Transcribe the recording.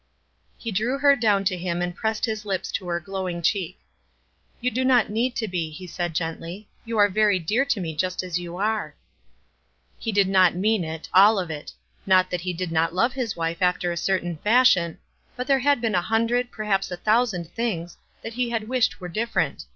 He drew her down to him and pressed his lips to her glowing cheek. "You do not need to be," he said, gently. "You are very dear to me just as you are." He did not mean it — all of it. Not that he did not love his wife after a certain fashion ; but there had been a hundred, perhaps a thou sand things, that he had wished were different.